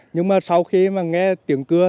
nhưng mà sau khi mà nghe tiếng cưa